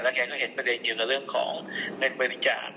แกก็เห็นประเด็นเกี่ยวกับเรื่องของเงินบริจาค